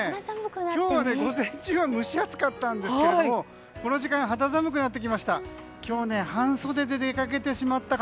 今日は午前中は蒸し暑かったんですけどこの時間、肌寒くなってきました。